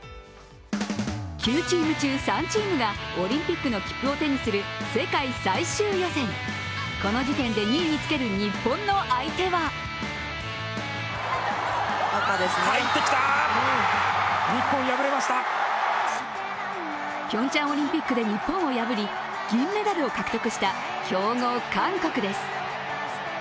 ９チーム中３チームがオリンピックの切符を手にする世界最終予選、この時点で２位につける日本の相手はピョンチャンオリンピックで日本を破り銀メダルを獲得した強豪・韓国です。